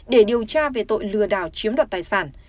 để điều tra về tội lừa đảo chiếm đoạt tài sản